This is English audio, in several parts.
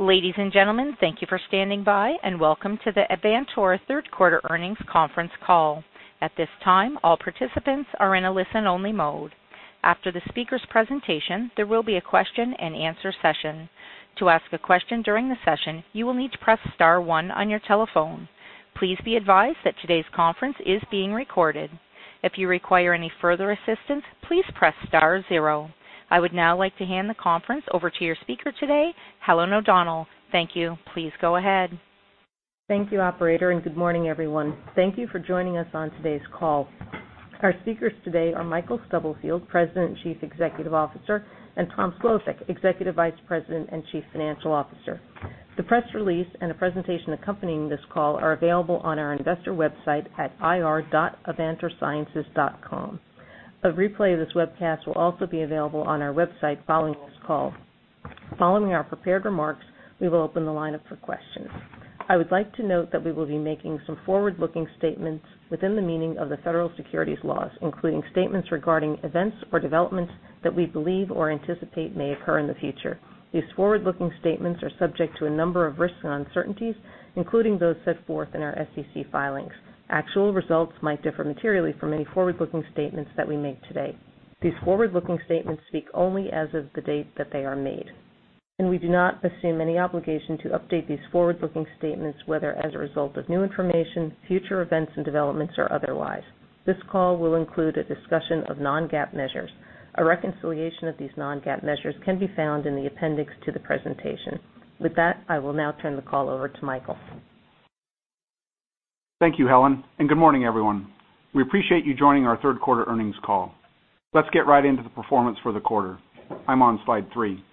Ladies and gentlemen, thank you for standing by, and welcome to the Avantor third quarter earnings conference call. At this time, all participants are in a listen-only mode. After the speaker's presentation, there will be a question and answer session. To ask a question during the session, you will need to press star one on your telephone. Please be advised that today's conference is being recorded. If you require any further assistance, please press star zero. I would now like to hand the conference over to your speaker today, Helen O'Donnell. Thank you. Please go ahead. Thank you, operator. Good morning, everyone. Thank you for joining us on today's call. Our speakers today are Michael Stubblefield, President and Chief Executive Officer, and Thomas Slovic, Executive Vice President and Chief Financial Officer. The press release and the presentation accompanying this call are available on our investor website at ir.avantorsciences.com. A replay of this webcast will also be available on our website following this call. Following our prepared remarks, we will open the line up for questions. I would like to note that we will be making some forward-looking statements within the meaning of the Federal Securities laws, including statements regarding events or developments that we believe or anticipate may occur in the future. These forward-looking statements are subject to a number of risks and uncertainties, including those set forth in our SEC filings. Actual results might differ materially from any forward-looking statements that we make today. These forward-looking statements speak only as of the date that they are made, and we do not assume any obligation to update these forward-looking statements, whether as a result of new information, future events and developments, or otherwise. This call will include a discussion of non-GAAP measures. A reconciliation of these non-GAAP measures can be found in the appendix to the presentation. With that, I will now turn the call over to Michael. Thank you, Helen, and good morning, everyone. We appreciate you joining our third quarter earnings call. Let's get right into the performance for the quarter. I'm on slide three.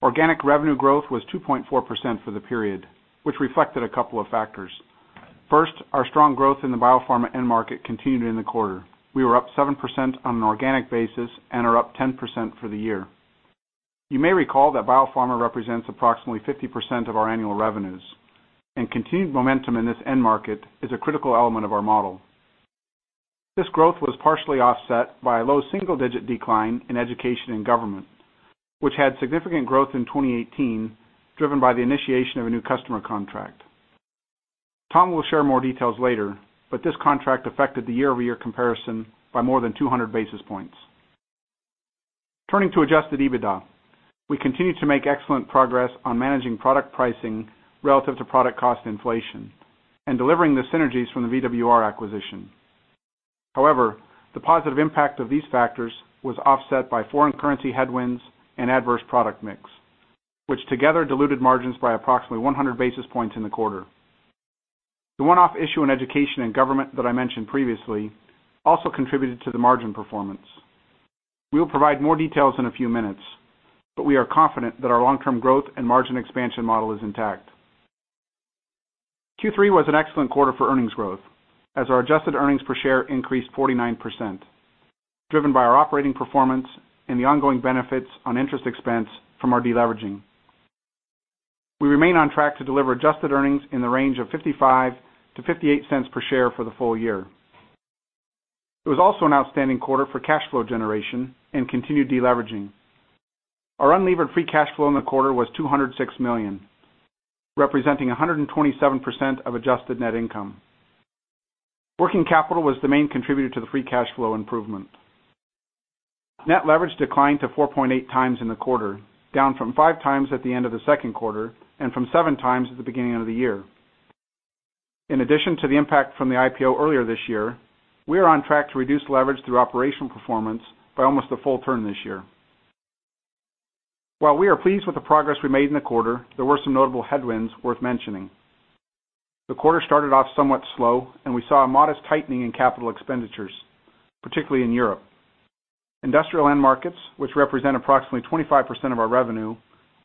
Organic revenue growth was 2.4% for the period, which reflected a couple of factors. First, our strong growth in the biopharma end market continued in the quarter. We were up 7% on an organic basis and are up 10% for the year. You may recall that biopharma represents approximately 50% of our annual revenues, and continued momentum in this end market is a critical element of our model. This growth was partially offset by a low single-digit decline in education and government, which had significant growth in 2018, driven by the initiation of a new customer contract. Tom will share more details later. This contract affected the year-over-year comparison by more than 200 basis points. Turning to adjusted EBITDA, we continue to make excellent progress on managing product pricing relative to product cost inflation and delivering the synergies from the VWR acquisition. The positive impact of these factors was offset by foreign currency headwinds and adverse product mix, which together diluted margins by approximately 100 basis points in the quarter. The one-off issue in education and government that I mentioned previously also contributed to the margin performance. We will provide more details in a few minutes. We are confident that our long-term growth and margin expansion model is intact. Q3 was an excellent quarter for earnings growth as our adjusted earnings per share increased 49%, driven by our operating performance and the ongoing benefits on interest expense from our deleveraging. We remain on track to deliver adjusted earnings in the range of $0.55-$0.58 per share for the full year. It was also an outstanding quarter for cash flow generation and continued deleveraging. Our unlevered free cash flow in the quarter was $206 million, representing 127% of adjusted net income. Working capital was the main contributor to the free cash flow improvement. Net leverage declined to 4.8x in the quarter, down from 5x at the end of the second quarter and from 7x at the beginning of the year. In addition to the impact from the IPO earlier this year, we are on track to reduce leverage through operational performance by almost a full turn this year. While we are pleased with the progress we made in the quarter, there were some notable headwinds worth mentioning. The quarter started off somewhat slow, and we saw a modest tightening in capital expenditures, particularly in Europe. Industrial end markets, which represent approximately 25% of our revenue,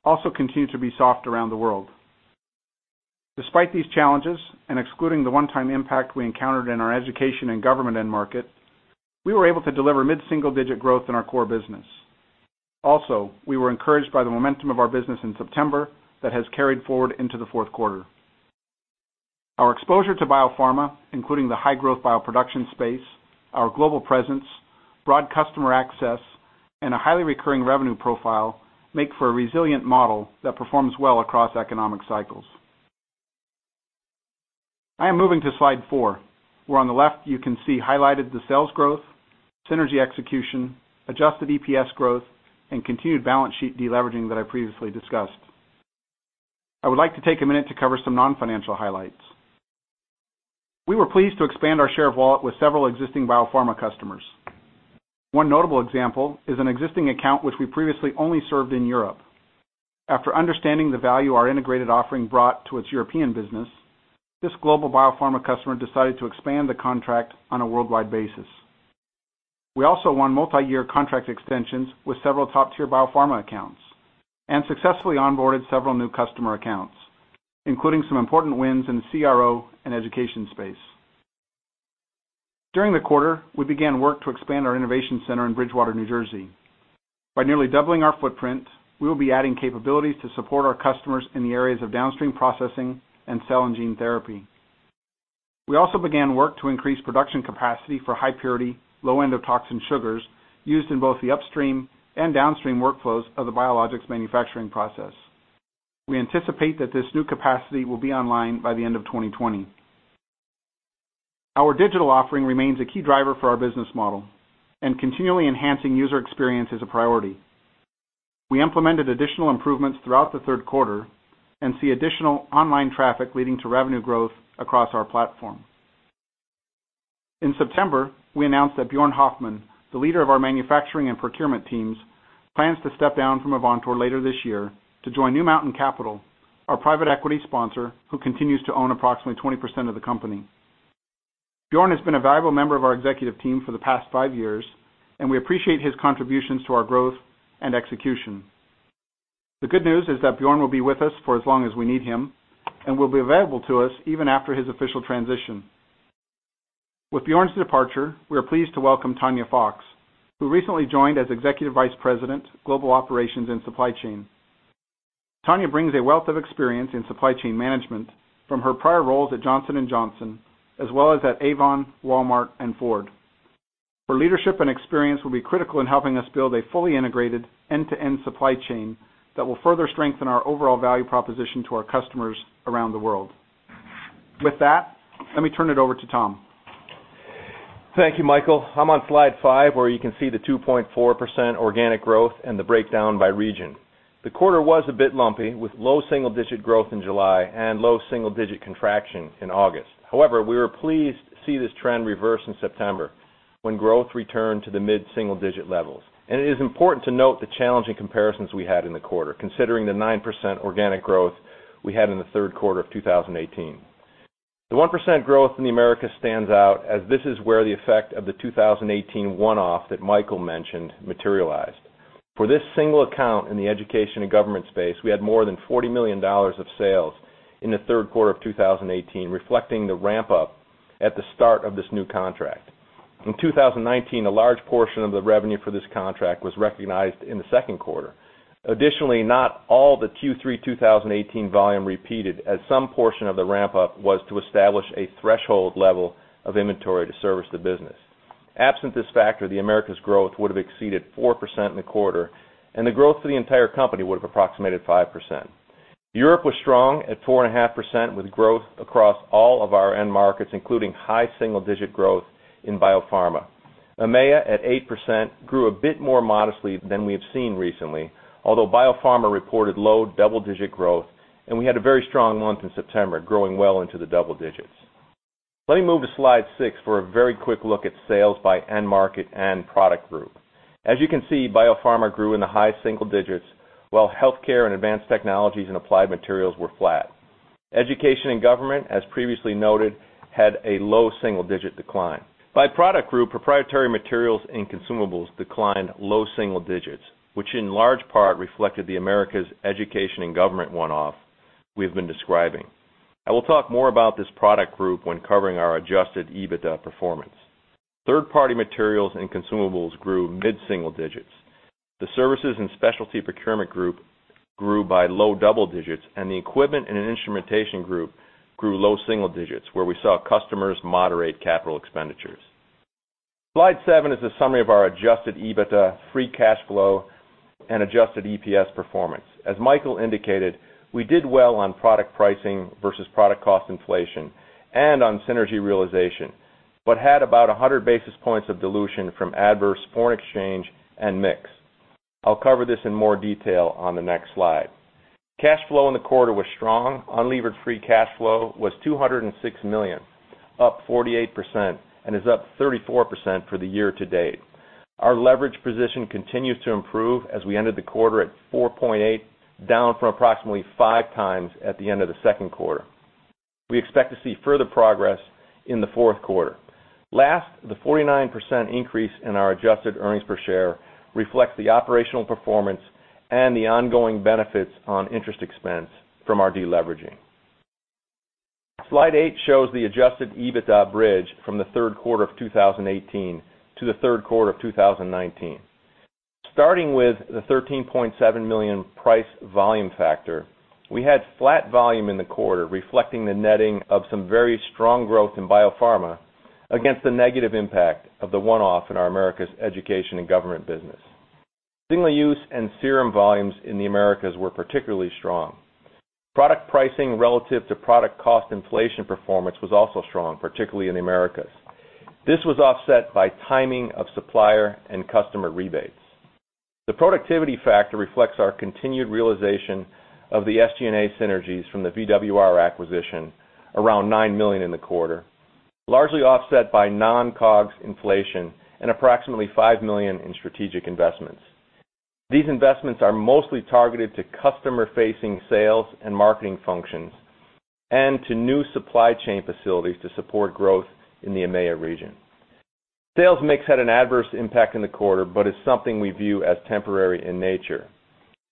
also continue to be soft around the world. Despite these challenges, and excluding the one-time impact we encountered in our education and government end market, we were able to deliver mid-single-digit growth in our core business. Also, we were encouraged by the momentum of our business in September that has carried forward into the fourth quarter. Our exposure to biopharma, including the high-growth bioproduction space, our global presence, broad customer access, and a highly recurring revenue profile, make for a resilient model that performs well across economic cycles. I am moving to slide four, where on the left, you can see highlighted the sales growth, synergy execution, adjusted EPS growth, and continued balance sheet deleveraging that I previously discussed. I would like to take a minute to cover some non-financial highlights. We were pleased to expand our share of wallet with several existing biopharma customers. One notable example is an existing account which we previously only served in Europe. After understanding the value our integrated offering brought to its European business, this global biopharma customer decided to expand the contract on a worldwide basis. We also won multi-year contract extensions with several top-tier biopharma accounts and successfully onboarded several new customer accounts, including some important wins in the CRO and education space. During the quarter, we began work to expand our innovation center in Bridgewater, New Jersey. By nearly doubling our footprint, we will be adding capabilities to support our customers in the areas of downstream processing and cell and gene therapy. We also began work to increase production capacity for high purity, low endotoxin sugars used in both the upstream and downstream workflows of the biologics manufacturing process. We anticipate that this new capacity will be online by the end of 2020. Our digital offering remains a key driver for our business model, and continually enhancing user experience is a priority. We implemented additional improvements throughout the third quarter and see additional online traffic leading to revenue growth across our platform. In September, we announced that Bjorn Hofman, the leader of our manufacturing and procurement teams, plans to step down from Avantor later this year to join New Mountain Capital, our private equity sponsor, who continues to own approximately 20% of the company. Bjorn has been a valuable member of our executive team for the past five years, and we appreciate his contributions to our growth and execution. The good news is that Bjorn will be with us for as long as we need him and will be available to us even after his official transition. With Bjorn's departure, we are pleased to welcome Tanya Fox, who recently joined as Executive Vice President, Global Operations and Supply Chain. Tanya brings a wealth of experience in supply chain management from her prior roles at Johnson & Johnson, as well as at Avon, Walmart, and Ford. Her leadership and experience will be critical in helping us build a fully integrated end-to-end supply chain that will further strengthen our overall value proposition to our customers around the world. With that, let me turn it over to Tom. Thank you, Michael. I'm on slide five, where you can see the 2.4% organic growth and the breakdown by region. The quarter was a bit lumpy, with low single-digit growth in July and low single-digit contraction in August. However, we were pleased to see this trend reverse in September, when growth returned to the mid-single digit levels. It is important to note the challenging comparisons we had in the quarter, considering the 9% organic growth we had in the third quarter of 2018. The 1% growth in the Americas stands out as this is where the effect of the 2018 one-off that Michael mentioned materialized. For this single account in the education and government space, we had more than $40 million of sales in the third quarter of 2018, reflecting the ramp-up at the start of this new contract. In 2019, a large portion of the revenue for this contract was recognized in the second quarter. Additionally, not all the Q3 2018 volume repeated, as some portion of the ramp-up was to establish a threshold level of inventory to service the business. Absent this factor, the Americas growth would have exceeded 4% in the quarter, and the growth for the entire company would have approximated 5%. Europe was strong at 4.5% with growth across all of our end markets, including high single digit growth in biopharma. AMEA at 8% grew a bit more modestly than we have seen recently, although biopharma reported low double-digit growth, and we had a very strong month in September, growing well into the double digits. Let me move to slide six for a very quick look at sales by end market and product group. As you can see, biopharma grew in the high single digits, while healthcare and advanced technologies and applied materials were flat. Education and government, as previously noted, had a low single-digit decline. By product group, proprietary materials and consumables declined low single digits, which in large part reflected the Americas' education and government one-off we have been describing. I will talk more about this product group when covering our adjusted EBITDA performance. Third-party materials and consumables grew mid-single digits. The services and specialty procurement group grew by low double digits, and the equipment and instrumentation group grew low single digits, where we saw customers moderate capital expenditures. Slide seven is a summary of our adjusted EBITDA, free cash flow, and adjusted EPS performance. As Michael indicated, we did well on product pricing versus product cost inflation and on synergy realization, had about 100 basis points of dilution from adverse foreign exchange and mix. I'll cover this in more detail on the next slide. Cash flow in the quarter was strong. Unlevered free cash flow was $206 million, up 48%, and is up 34% for the year-to-date. Our leverage position continues to improve as we ended the quarter at 4.8x, down from approximately 5x at the end of the second quarter. We expect to see further progress in the fourth quarter. Last, the 49% increase in our adjusted EPS reflects the operational performance and the ongoing benefits on interest expense from our deleveraging. Slide eight shows the adjusted EBITDA bridge from the third quarter of 2018 to the third quarter of 2019. Starting with the $13.7 million price volume factor, we had flat volume in the quarter, reflecting the netting of some very strong growth in biopharma against the negative impact of the one-off in our Americas education and government business. Single-use and serum volumes in the Americas were particularly strong. Product pricing relative to product cost inflation performance was also strong, particularly in the Americas. This was offset by timing of supplier and customer rebates. The productivity factor reflects our continued realization of the SG&A synergies from the VWR acquisition, around $9 million in the quarter, largely offset by non-COGS inflation and approximately $5 million in strategic investments. These investments are mostly targeted to customer-facing sales and marketing functions and to new supply chain facilities to support growth in the AMEA region. Sales mix had an adverse impact in the quarter, but is something we view as temporary in nature.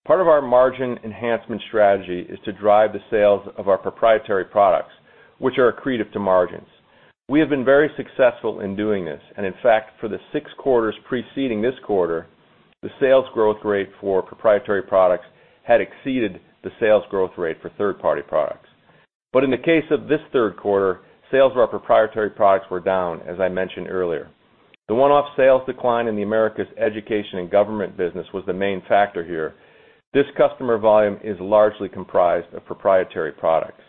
Part of our margin enhancement strategy is to drive the sales of our proprietary products, which are accretive to margins. We have been very successful in doing this. In fact, for the six quarters preceding this quarter, the sales growth rate for proprietary products had exceeded the sales growth rate for third-party products. In the case of this third quarter, sales of our proprietary products were down, as I mentioned earlier. The one-off sales decline in the Americas education and government business was the main factor here. This customer volume is largely comprised of proprietary products.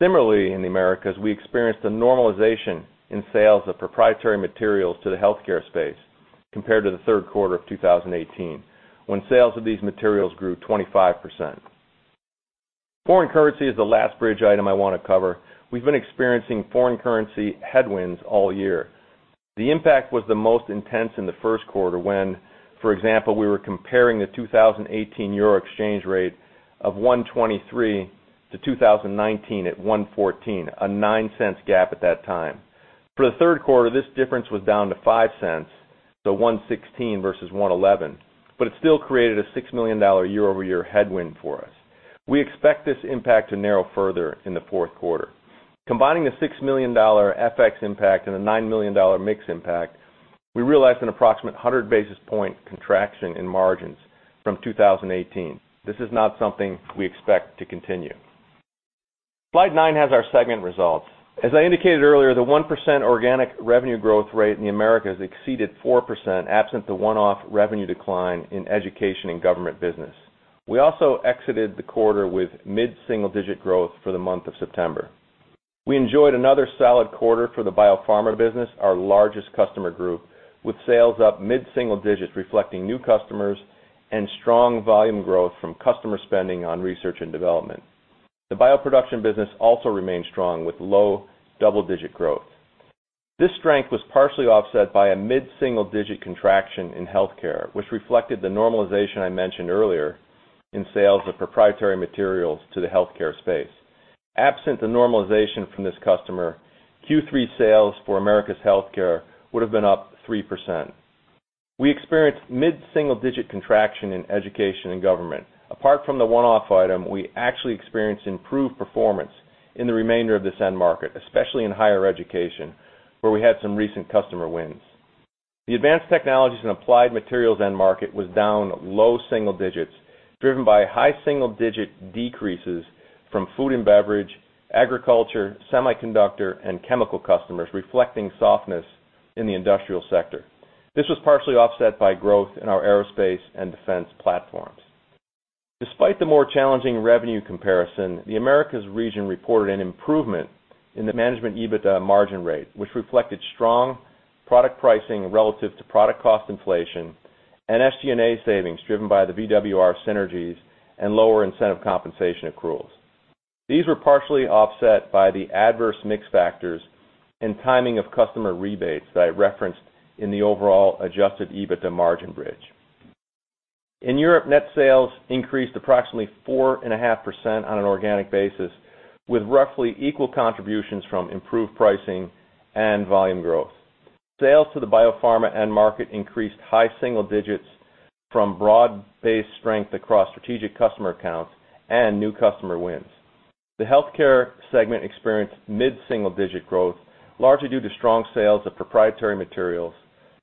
Similarly, in the Americas, we experienced a normalization in sales of proprietary materials to the healthcare space compared to the third quarter of 2018, when sales of these materials grew 25%. Foreign currency is the last bridge item I want to cover. We've been experiencing foreign currency headwinds all year. The impact was the most intense in the first quarter when, for example, we were comparing the 2018 euro exchange rate of 123 to 2019 at 114, a $0.09 gap at that time. For the third quarter, this difference was down to $0.05, so 116 versus 111, but it still created a $6 million year-over-year headwind for us. We expect this impact to narrow further in the fourth quarter. Combining the $6 million FX impact and the $9 million mix impact, we realized an approximate 100 basis point contraction in margins from 2018. This is not something we expect to continue. Slide nine has our segment results. As I indicated earlier, the 1% organic revenue growth rate in the Americas exceeded 4% absent the one-off revenue decline in education and government business. We also exited the quarter with mid-single digit growth for the month of September. We enjoyed another solid quarter for the biopharma business, our largest customer group, with sales up mid-single digits reflecting new customers and strong volume growth from customer spending on research and development. The bioproduction business also remains strong with low double-digit growth. This strength was partially offset by a mid-single digit contraction in healthcare, which reflected the normalization I mentioned earlier in sales of proprietary materials to the healthcare space. Absent the normalization from this customer, Q3 sales for Americas healthcare would've been up 3%. We experienced mid-single digit contraction in education and government. Apart from the one-off item, we actually experienced improved performance in the remainder of this end market, especially in higher education, where we had some recent customer wins. The advanced technologies and applied materials end market was down low single digits, driven by high single digit decreases from food and beverage, agriculture, semiconductor, and chemical customers, reflecting softness in the industrial sector. This was partially offset by growth in our aerospace and defense platforms. Despite the more challenging revenue comparison, the Americas region reported an improvement in the management EBITDA margin rate, which reflected strong product pricing relative to product cost inflation and SG&A savings driven by the VWR synergies and lower incentive compensation accruals. These were partially offset by the adverse mix factors and timing of customer rebates that I referenced in the overall adjusted EBITDA margin bridge. In Europe, net sales increased approximately 4.5% on an organic basis, with roughly equal contributions from improved pricing and volume growth. Sales to the biopharma end market increased high single digits from broad-based strength across strategic customer accounts and new customer wins. The healthcare segment experienced mid-single digit growth, largely due to strong sales of proprietary materials,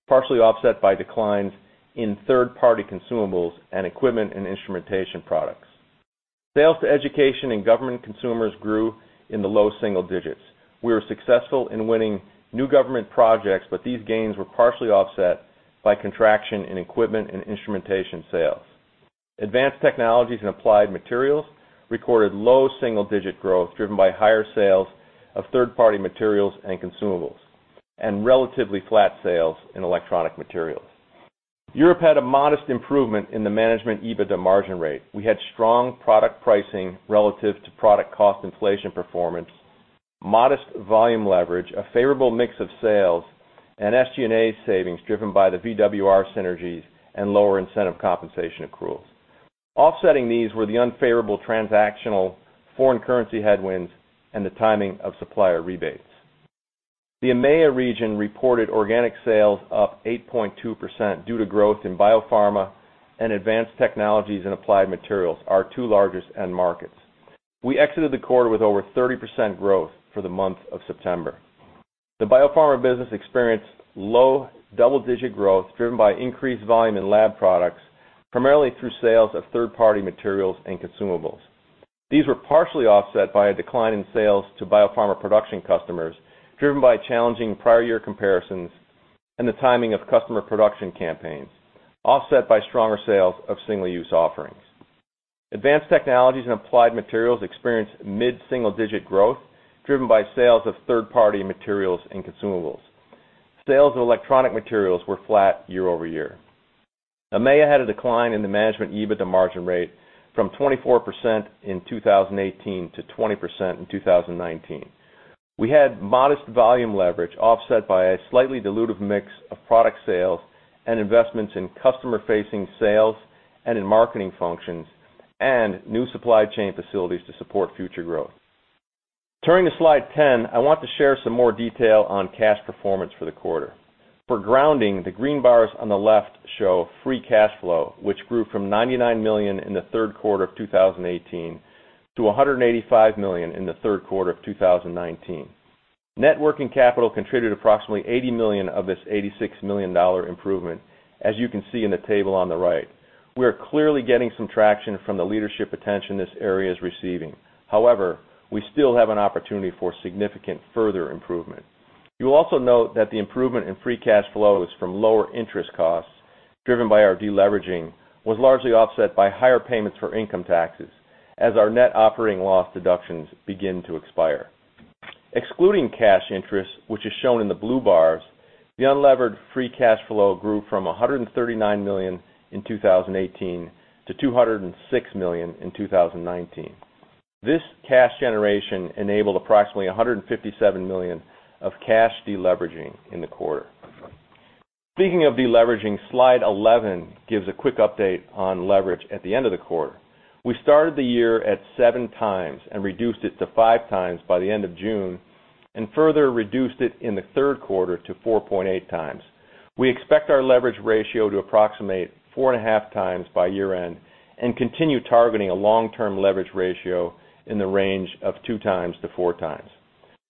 partially offset by declines in third-party consumables and equipment and instrumentation products. Sales to education and government consumers grew in the low single digits. These gains were partially offset by contraction in equipment and instrumentation sales. Advanced technologies and applied materials recorded low single-digit growth, driven by higher sales of third-party materials and consumables, and relatively flat sales in electronic materials. Europe had a modest improvement in the management EBITDA margin rate. We had strong product pricing relative to product cost inflation performance, modest volume leverage, a favorable mix of sales, and SG&A savings driven by the VWR synergies and lower incentive compensation accruals. Offsetting these were the unfavorable transactional foreign currency headwinds and the timing of supplier rebates. The AMEA region reported organic sales up 8.2% due to growth in biopharma and advanced technologies and applied materials, our two largest end markets. We exited the quarter with over 30% growth for the month of September. The biopharma business experienced low double-digit growth driven by increased volume in lab products, primarily through sales of third-party materials and consumables. These were partially offset by a decline in sales to biopharma production customers, driven by challenging prior year comparisons and the timing of customer production campaigns, offset by stronger sales of single-use offerings. Advanced technologies and applied materials experienced mid-single digit growth, driven by sales of third-party materials and consumables. Sales of electronic materials were flat year-over-year. AMEA had a decline in the management EBITDA margin rate from 24% in 2018 to 20% in 2019. We had modest volume leverage offset by a slightly dilutive mix of product sales and investments in customer-facing sales and in marketing functions, and new supply chain facilities to support future growth. Turning to slide 10, I want to share some more detail on cash performance for the quarter. For grounding, the green bars on the left show free cash flow, which grew from $99 million in the third quarter of 2018 to $185 million in the third quarter of 2019. Net working capital contributed approximately $80 million of this $86 million improvement, as you can see in the table on the right. We are clearly getting some traction from the leadership attention this area is receiving. However, we still have an opportunity for significant further improvement. You will also note that the improvement in free cash flow is from lower interest costs, driven by our de-leveraging, was largely offset by higher payments for income taxes as our net operating loss deductions begin to expire. Excluding cash interest, which is shown in the blue bars, the unlevered free cash flow grew from $139 million in 2018 to $206 million in 2019. This cash generation enabled approximately $157 million of cash de-leveraging in the quarter. Speaking of de-leveraging, slide 11 gives a quick update on leverage at the end of the quarter. We started the year at 7 times and reduced it to 5 times by the end of June, and further reduced it in the third quarter to 4.8 times. We expect our leverage ratio to approximate 4.5 times by year-end and continue targeting a long-term leverage ratio in the range of 2 times-4 times.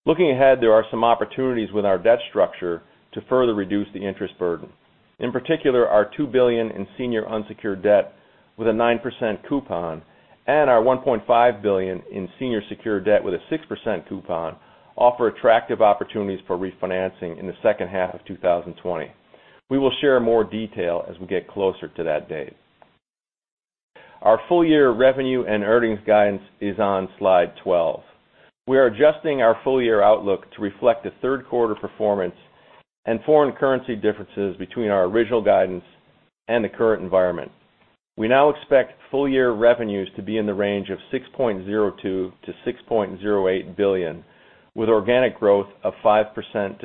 Looking ahead, there are some opportunities with our debt structure to further reduce the interest burden. In particular, our $2 billion in senior unsecured debt with a 9% coupon and our $1.5 billion in senior secured debt with a 6% coupon offer attractive opportunities for refinancing in the second half of 2020. We will share more detail as we get closer to that date. Our full year revenue and earnings guidance is on slide 12. We are adjusting our full year outlook to reflect the third quarter performance and foreign currency differences between our original guidance and the current environment. We now expect full year revenues to be in the range of $6.02 billion-$6.08 billion, with organic growth of 5%-6%,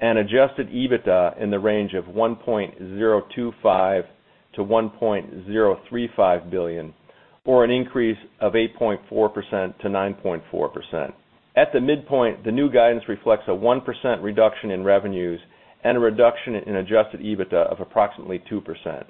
and adjusted EBITDA in the range of $1.025 billion-$1.035 billion, or an increase of 8.4%-9.4%. At the midpoint, the new guidance reflects a 1% reduction in revenues and a reduction in adjusted EBITDA of approximately 2%.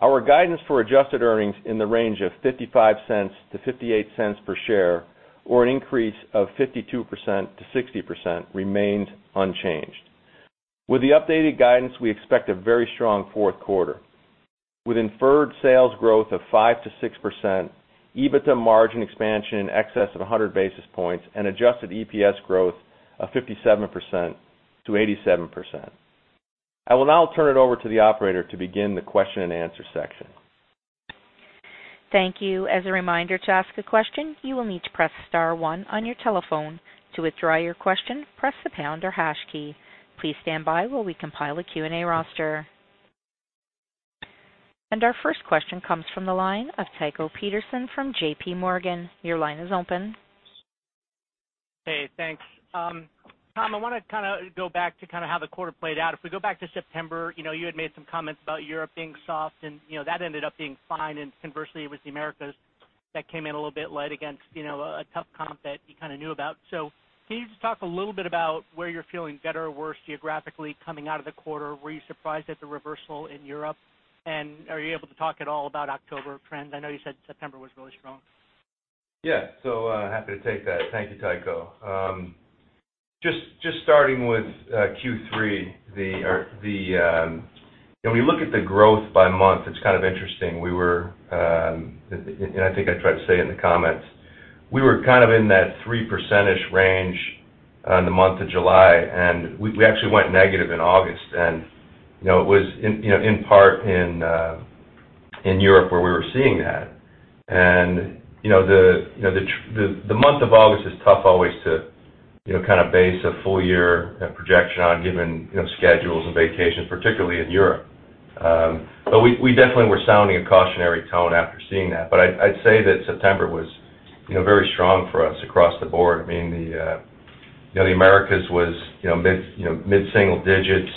Our guidance for adjusted earnings in the range of $0.55-$0.58 per share, or an increase of 52%-60%, remained unchanged. With the updated guidance, we expect a very strong fourth quarter with inferred sales growth of 5%-6%, EBITDA margin expansion in excess of 100 basis points, and adjusted EPS growth of 57%-87%. I will now turn it over to the operator to begin the question and answer section. Thank you. As a reminder, to ask a question, you will need to press *1 on your telephone. To withdraw your question, press the pound or hash key. Please stand by while we compile a Q&A roster. Our first question comes from the line of Tycho Peterson from J.P. Morgan. Your line is open. Hey, thanks. Tom, I want to go back to how the quarter played out. If we go back to September, you had made some comments about Europe being soft, and that ended up being fine, and conversely, it was the Americas that came in a little bit light against a tough comp that you kind of knew about. Can you just talk a little bit about where you're feeling better or worse geographically coming out of the quarter? Were you surprised at the reversal in Europe, and are you able to talk at all about October trends? I know you said September was really strong. Yeah. Happy to take that. Thank you, Tycho. Just starting with Q3, when we look at the growth by month, it's kind of interesting. I think I tried to say it in the comments, we were kind of in that 3% range in the month of July, we actually went negative in August, it was in part in Europe where we were seeing that. The month of August is tough always to base a full year projection on given schedules and vacations, particularly in Europe. We definitely were sounding a cautionary tone after seeing that. I'd say that September was very strong for us across the board. The Americas was mid-single-digits,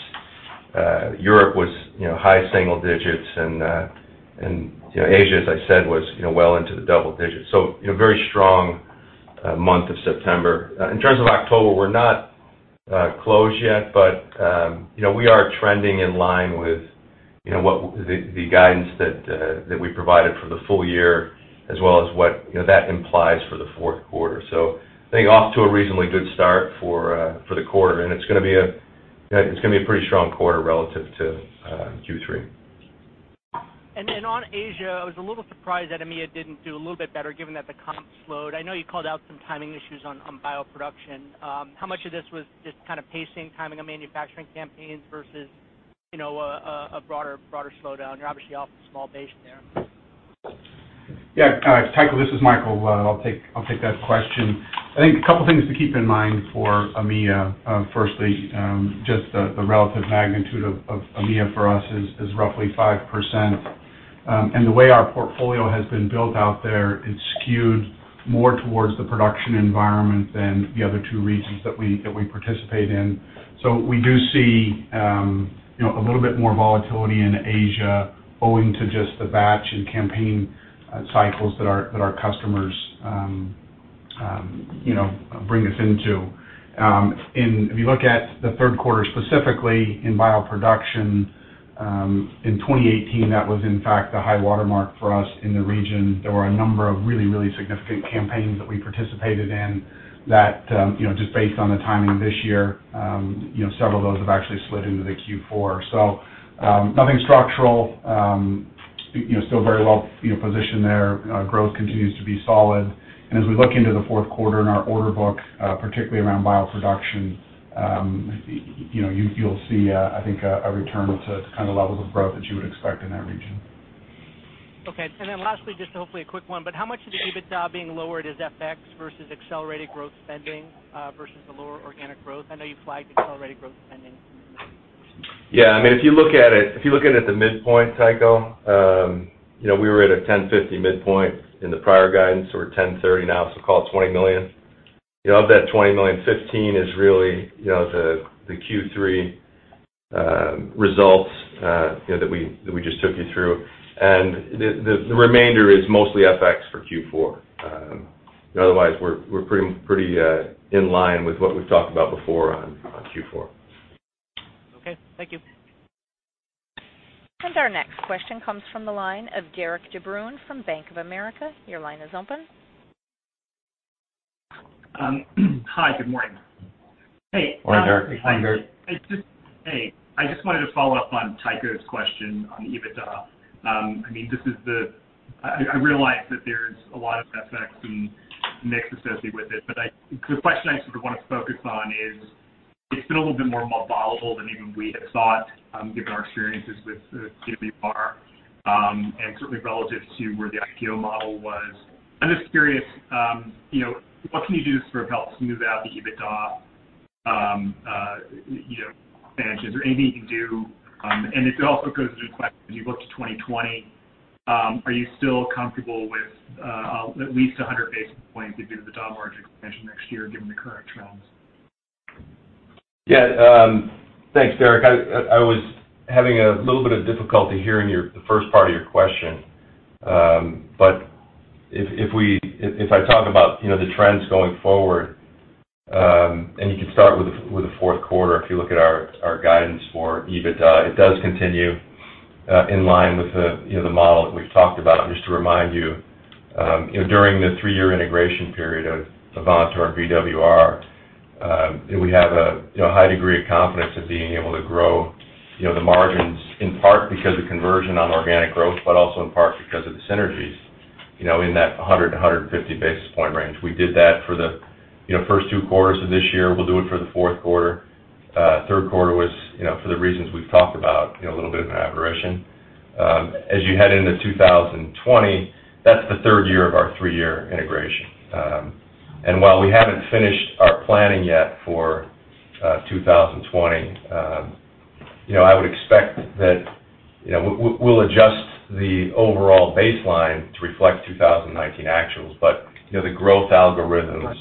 Europe was high-single-digits, Asia, as I said, was well into the double-digits. Very strong month of September. In terms of October, we're not closed yet. We are trending in line with the guidance that we provided for the full year as well as what that implies for the fourth quarter. I think off to a reasonably good start for the quarter, and it's going to be a pretty strong quarter relative to Q3. On Asia, I was a little surprised that AMEA didn't do a little bit better given that the comps slowed. I know you called out some timing issues on bioproduction. How much of this was just kind of pacing, timing of manufacturing campaigns versus a broader slowdown? You're obviously off a small base there. Yeah. Tycho, this is Michael. I'll take that question. I think a couple things to keep in mind for AMEA. Firstly, just the relative magnitude of AMEA for us is roughly 5%. The way our portfolio has been built out there, it's skewed more towards the production environment than the other two regions that we participate in. We do see a little bit more volatility in Asia owing to just the batch and campaign cycles that our customers bring us into. If you look at the third quarter, specifically in bioproduction, in 2018, that was in fact the high watermark for us in the region. There were a number of really significant campaigns that we participated in that, just based on the timing of this year, several of those have actually slid into the Q4. Nothing structural. Still very well positioned there. Growth continues to be solid. As we look into the fourth quarter and our order book, particularly around bioproduction, you'll see, I think, a return to kind of levels of growth that you would expect in that region. Okay. Lastly, just hopefully a quick one, but how much of the EBITDA being lowered is FX versus accelerated growth spending versus the lower organic growth? I know you flagged accelerated growth spending. Yeah, if you look at it at the midpoint, Tycho, we were at a 10.50 midpoint in the prior guidance. We're at 10.30 now, so call it $20 million. Of that $20 million, $15 million is really the Q3 results that we just took you through, and the remainder is mostly FX for Q4. Otherwise, we're pretty in line with what we've talked about before on Q4. Okay, thank you. Our next question comes from the line of Derik de Bruin from Bank of America. Your line is open. Hi, good morning. Hey. Morning, Derik. Morning, Derik. Hey, I just wanted to follow up on Tycho's question on EBITDA. I realize that there's a lot of FX and mix associated with it, but the question I sort of want to focus on is, it's been a little bit more volatile than even we had thought, given our experiences with VWR, and certainly relative to where the IPO model was. I'm just curious, what can you do to sort of help smooth out the EBITDA? Is there anything you can do? It also goes to the question, as you look to 2020, are you still comfortable with at least 100 basis points of EBITDA margin expansion next year given the current trends? Yeah. Thanks, Derik. I was having a little bit of difficulty hearing the first part of your question. If I talk about the trends going forward, and you can start with the fourth quarter, if you look at our guidance for EBITDA, it does continue in line with the model that we've talked about. Just to remind you, during the three-year integration period of Avantor VWR, we have a high degree of confidence of being able to grow the margins, in part because of conversion on organic growth, but also in part because of the synergies in that 100-150 basis point range. We did that for the first two quarters of this year. We'll do it for the fourth quarter. Third quarter was, for the reasons we've talked about, a little bit of an aberration. As you head into 2020, that's the third year of our three-year integration. While we haven't finished our planning yet for 2020, I would expect that we'll adjust the overall baseline to reflect 2019 actuals. The growth algorithms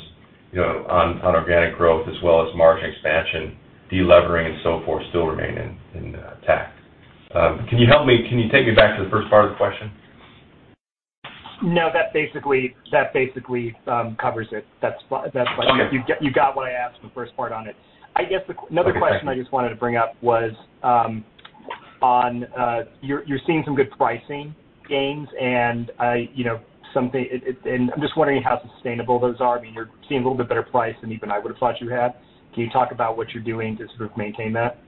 on organic growth as well as margin expansion, de-levering, and so forth, still remain intact. Can you help me? Can you take me back to the first part of the question? No, that basically covers it. Okay. You got what I asked the first part on it. I guess another question I just wanted to bring up was, you're seeing some good pricing gains, and I'm just wondering how sustainable those are. You're seeing a little bit better price than even I would've thought you had. Can you talk about what you're doing to sort of maintain that?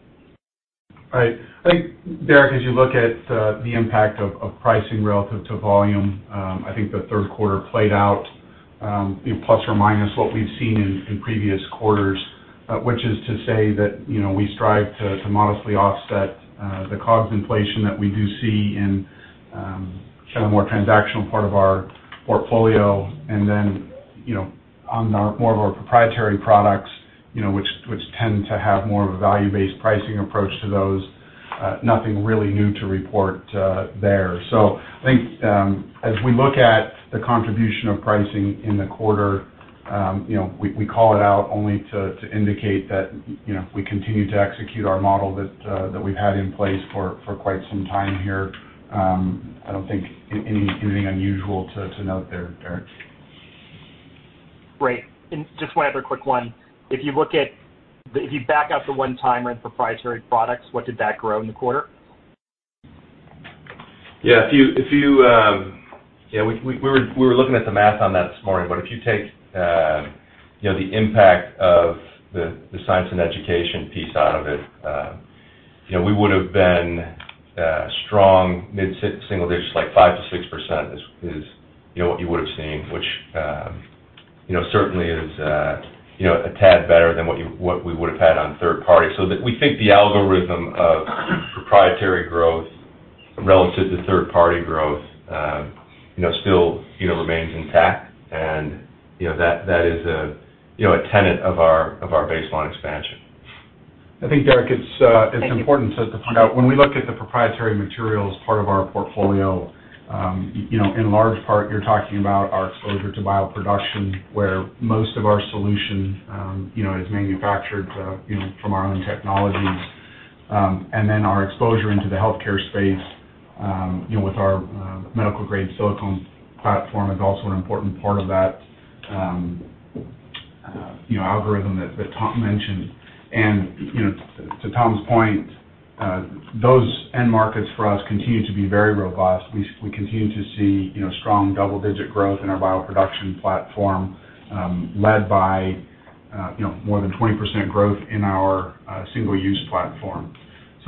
I think, Derik, as you look at the impact of pricing relative to volume, I think the third quarter played out, plus or minus what we've seen in previous quarters, which is to say that we strive to modestly offset the COGS inflation that we do see in kind of the more transactional part of our portfolio. On more of our proprietary products, which tend to have more of a value-based pricing approach to those, nothing really new to report there. I think as we look at the contribution of pricing in the quarter, we call it out only to indicate that we continue to execute our model that we've had in place for quite some time here. I don't think anything unusual to note there, Derik. Great. Just one other quick one. If you back out the one-time proprietary products, what did that grow in the quarter? Yeah. We were looking at the math on that this morning. If you take the impact of the science and education piece out of it, we would've been strong mid-single digits, like 5%-6% is what you would've seen, which certainly is a tad better than what we would've had on third party. We think the algorithm of proprietary growth relative to third-party growth still remains intact, and that is a tenet of our baseline expansion. I think, Derik, it's important to point out, when we look at the proprietary material as part of our portfolio, in large part you're talking about our exposure to bioproduction, where most of our solution is manufactured from our own technologies. Our exposure into the healthcare space with our medical-grade silicone platform is also an important part of that algorithm that Tom mentioned. To Tom's point, those end markets for us continue to be very robust. We continue to see strong double-digit growth in our bioproduction platform, led by more than 20% growth in our single-use platform.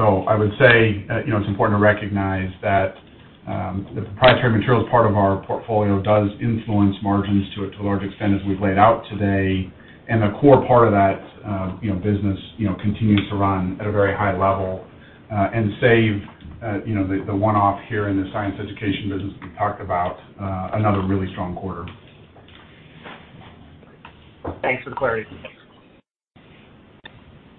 I would say, it's important to recognize that the proprietary materials part of our portfolio does influence margins to a large extent, as we've laid out today. The core part of that business continues to run at a very high level. Save the one-off here in the science education business we talked about, another really strong quarter. Thanks for the clarity.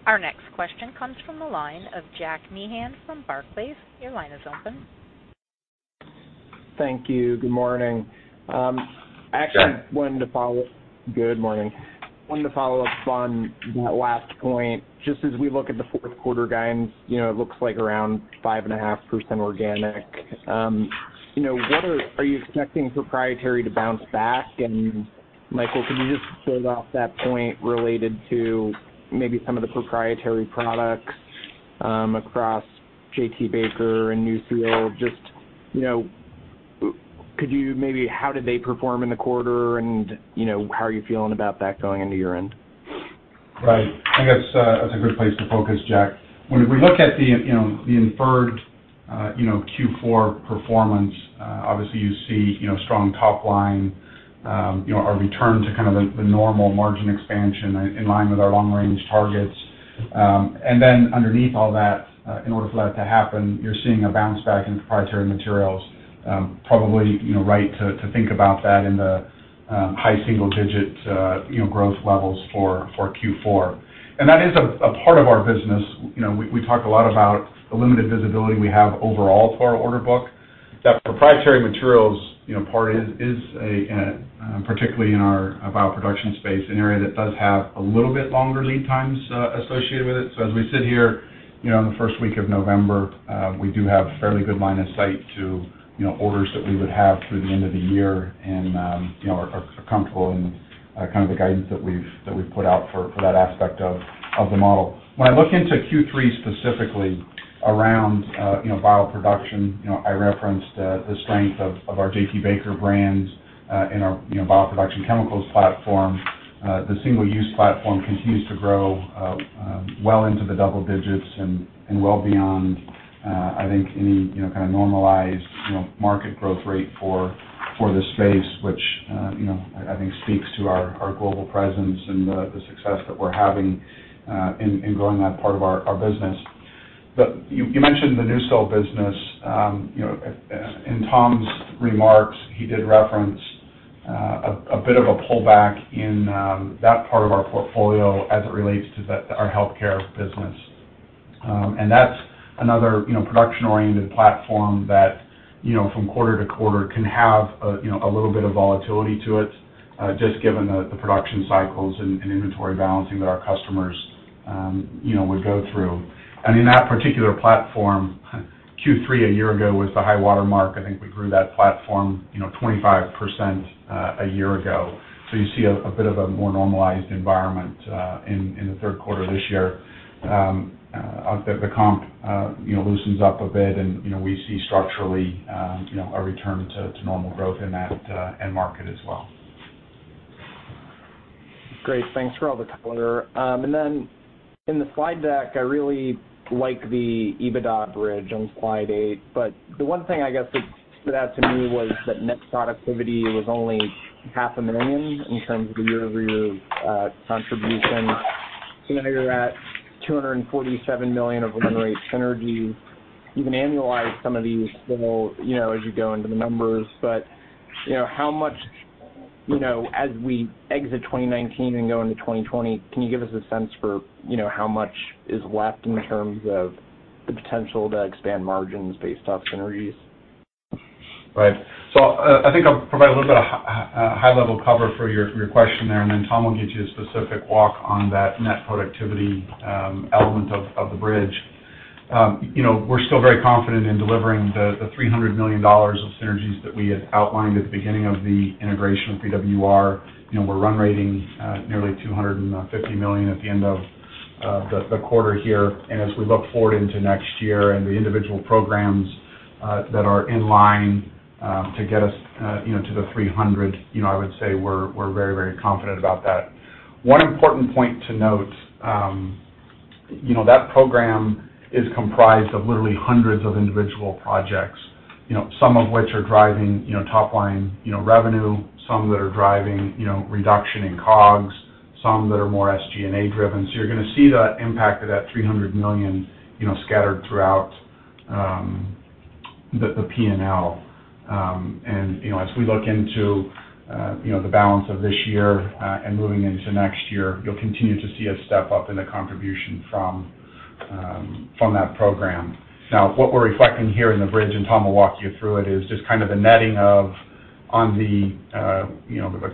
Our next question comes from the line of Jack Meehan from Barclays. Your line is open. Thank you. Good morning. Jack. Good morning. Wanted to follow up on that last point. Just as we look at the fourth quarter guidance, it looks like around 5.5% organic. Are you expecting proprietary to bounce back? Michael, could you just kick off that point related to maybe some of the proprietary products across J.T. Baker and NuSil? Just how did they perform in the quarter, and how are you feeling about that going into year-end? Right. I think that's a good place to focus, Jack. When we look at the inferred Q4 performance, obviously you see strong top line, our return to kind of the normal margin expansion in line with our long-range targets. Underneath all that, in order for that to happen, you're seeing a bounce back in proprietary materials. Probably right to think about that in the high single-digit growth levels for Q4. That is a part of our business. We talk a lot about the limited visibility we have overall to our order book. That proprietary materials part is, particularly in our bioproduction space, an area that does have a little bit longer lead times associated with it. As we sit here in the first week of November, we do have fairly good line of sight to orders that we would have through the end of the year and are comfortable in the guidance that we've put out for that aspect of the model. When I look into Q3 specifically around bioproduction, I referenced the strength of our J.T. Baker brands in our bioproduction chemicals platform. The single-use platform continues to grow well into the double digits and well beyond, I think, any kind of normalized market growth rate for this space, which I think speaks to our global presence and the success that we're having in growing that part of our business. You mentioned the NuSil business. In Tom's remarks, he did reference a bit of a pullback in that part of our portfolio as it relates to our healthcare business. That's another production-oriented platform that from quarter to quarter can have a little bit of volatility to it, just given the production cycles and inventory balancing that our customers would go through. In that particular platform, Q3 a year ago was the high water mark. I think we grew that platform 25% a year ago. You see a bit of a more normalized environment in the third quarter this year. The comp loosens up a bit and we see structurally a return to normal growth in that end market as well. Great. Thanks for all the color. In the slide deck, I really like the EBITDA bridge on slide eight. The one thing I guess that stood out to me was that net productivity was only half a million dollars in terms of the year-over-year contribution. Now you're at $247 million of run rate synergies. You can annualize some of these as you go into the numbers. As we exit 2019 and go into 2020, can you give us a sense for how much is left in terms of the potential to expand margins based off synergies? I think I'll provide a little bit of high level cover for your question there, and then Tom will give you a specific walk on that net productivity element of the bridge. We're still very confident in delivering the $300 million of synergies that we had outlined at the beginning of the integration with VWR. We're run rating nearly $250 million at the end of the quarter here. As we look forward into next year and the individual programs that are in line to get us to the $300, I would say we're very confident about that. One important point to note, that program is comprised of literally hundreds of individual projects, some of which are driving top line revenue, some that are driving reduction in COGS, some that are more SG&A driven. You're going to see the impact of that $300 million scattered throughout the P&L. As we look into the balance of this year and moving into next year, you'll continue to see a step up in the contribution from that program. What we're reflecting here in the bridge, and Tom will walk you through it, is just kind of on the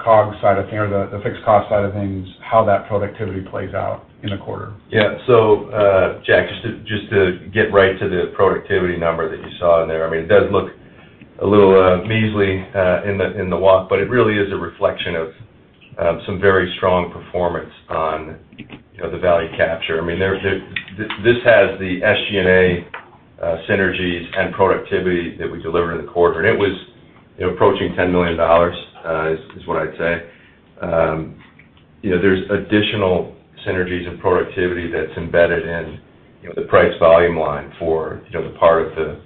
COGS side of things or the fixed cost side of things, how that productivity plays out in the quarter. Yeah. Jack, just to get right to the productivity number that you saw in there, it does look a little measly in the walk, but it really is a reflection of some very strong performance on the value capture. This has the SG&A synergies and productivity that we delivered in the quarter, and it was approaching $10 million, is what I'd say. There's additional synergies and productivity that's embedded in the price volume line for the part of the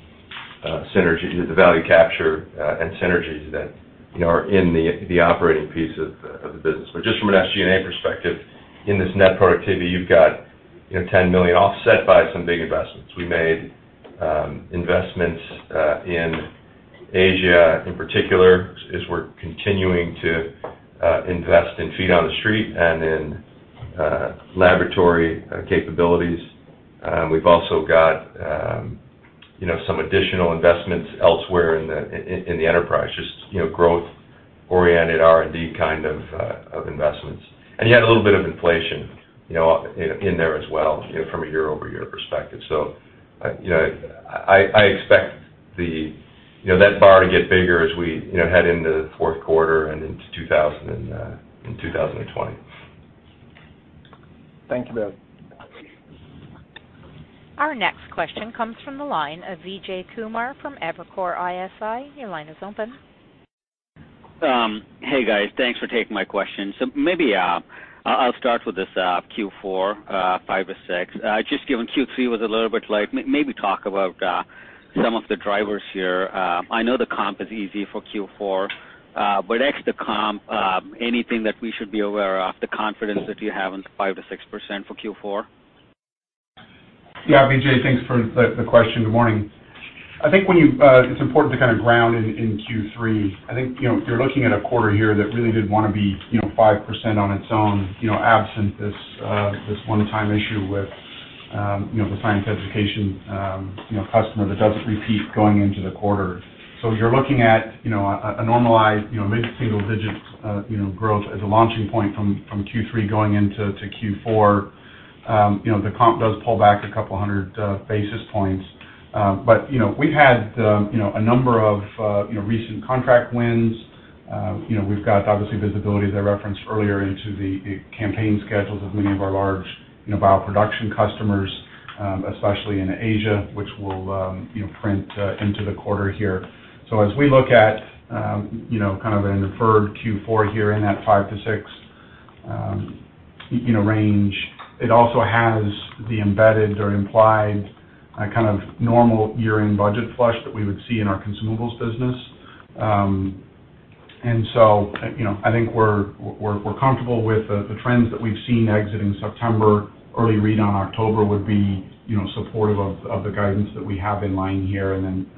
value capture and synergies that are in the operating piece of the business. Just from an SG&A perspective, in this net productivity, you've got $10 million offset by some big investments. We made investments in Asia, in particular, as we're continuing to invest in feet on the street and in laboratory capabilities. We've also got some additional investments elsewhere in the enterprise, just growth-oriented R&D kind of investments. You had a little bit of inflation in there as well from a year-over-year perspective. I expect the net bar to get bigger as we head into the fourth quarter and into 2020. Thank you, Bill. Our next question comes from the line of Vijay Kumar from Evercore ISI. Your line is open. Hey, guys. Thanks for taking my question. Maybe I'll start with this Q4 5% or 6%. Just given Q3 was a little bit light, maybe talk about some of the drivers here. I know the comp is easy for Q4, ex the comp, anything that we should be aware of, the confidence that you have in the 5%-6% for Q4? Yeah, Vijay, thanks for the question. Good morning. I think it's important to ground in Q3. I think you're looking at a quarter here that really did want to be 5% on its own, absent this one-time issue with the science education customer that doesn't repeat going into the quarter. You're looking at a normalized mid-single digit growth as a launching point from Q3 going into Q4. The comp does pull back a couple hundred basis points. We've had a number of recent contract wins. We've got, obviously, visibility, as I referenced earlier, into the campaign schedules of many of our large bioproduction customers, especially in Asia, which will print into the quarter here. As we look at kind of an inferred Q4 here in that 5%-6% range, it also has the embedded or implied kind of normal year-end budget flush that we would see in our consumables business. I think we're comfortable with the trends that we've seen exiting September. Early read on October would be supportive of the guidance that we have in line here, and then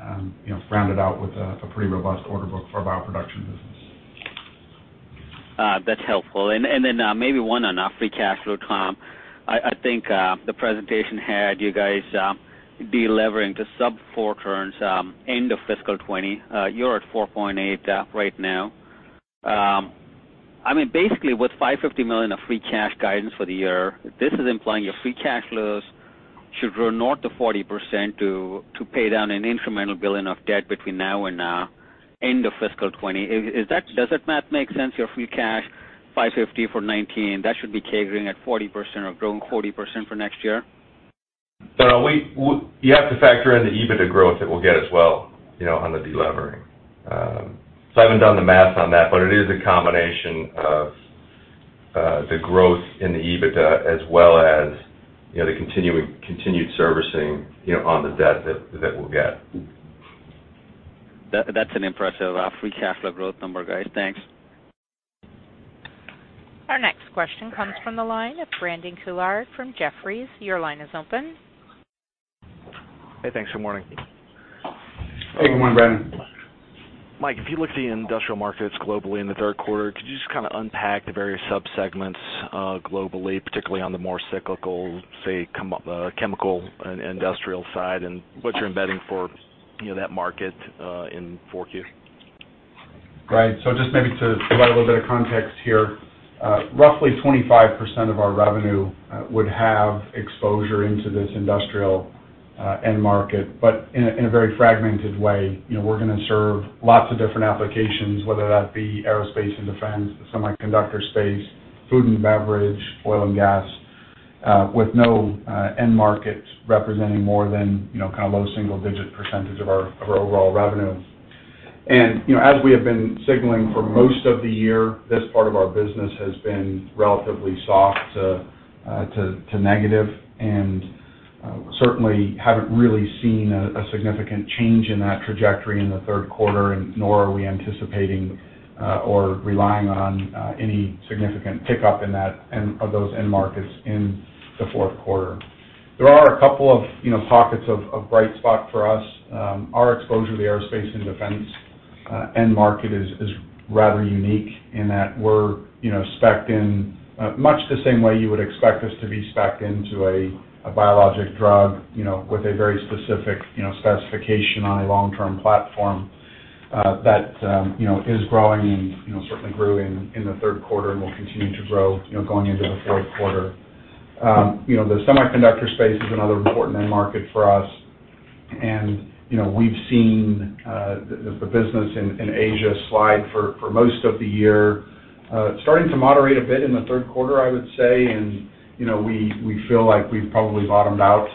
rounded out with a pretty robust order book for our bioproduction business. That's helpful. Then maybe one on free cash flow, Tom. I think the presentation had you guys de-levering to sub-four turns end of fiscal 2020. You're at 4.8 right now. Basically, with $550 million of free cash guidance for the year, this is implying your free cash flows should grow north of 40% to pay down an incremental billion of debt between now and end of fiscal 2020. Does that math make sense? Your free cash $550 for 2019, that should be 40% or growing 40% for next year? You have to factor in the EBITDA growth that we'll get as well on the de-levering. I haven't done the math on that, but it is a combination of the growth in the EBITDA as well as the continued servicing on the debt that we'll get. That's an impressive free cash flow growth number, guys. Thanks. Our next question comes from the line of Brandon Couillard from Jefferies. Your line is open. Hey, thanks. Good morning. Hey, good morning, Brandon. Mike, if you look at the industrial markets globally in the third quarter, could you just kind of unpack the various subsegments globally, particularly on the more cyclical, say, chemical and industrial side, and what you're embedding for that market in 4Q? Right. Just maybe to provide a little bit of context here. Roughly 25% of our revenue would have exposure into this industrial end market, but in a very fragmented way. We're going to serve lots of different applications, whether that be aerospace and defense, the semiconductor space, food and beverage, oil and gas, with no end market representing more than kind of low single-digit percentage of our overall revenue. As we have been signaling for most of the year, this part of our business has been relatively soft to negative, and certainly haven't really seen a significant change in that trajectory in the third quarter, nor are we anticipating or relying on any significant pickup of those end markets in the fourth quarter. There are a couple of pockets of bright spot for us. Our exposure to the aerospace and defense end market is rather unique in that we're specced in much the same way you would expect us to be specced into a biologic drug, with a very specific specification on a long-term platform that is growing, and certainly grew in the third quarter and will continue to grow going into the fourth quarter. The semiconductor space is another important end market for us, and we've seen the business in Asia slide for most of the year. Starting to moderate a bit in the third quarter, I would say, and we feel like we've probably bottomed out